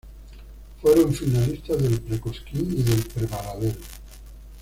Fueron finalistas del Pre-Cosquín y del Pre-Baradero.